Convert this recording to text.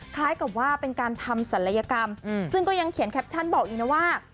คล้ายกับว่าเป็นการทำศัลยกรรมซึ่งก็ยังเขียนแคปชั่นบอกอีกนะว่า